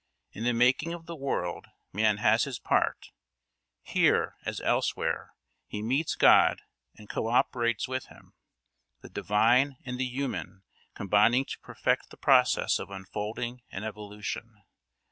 In the making of the world man has his part; here, as elsewhere, he meets God and co operates with him; the divine and the human combining to perfect the process of unfolding and evolution.